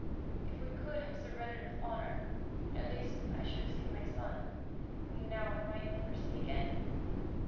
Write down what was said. If we could have surrendered with honour, at least I should have seen my son, whom now I might never see again.